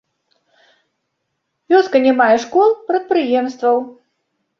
Вёска не мае школ, прадпрыемстваў.